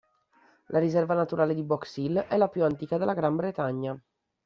La riserva naturale di Box Hill è la più antica della Gran Bretagna.